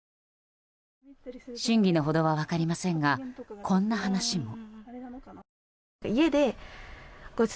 真偽のほどは分かりませんがこんな話も。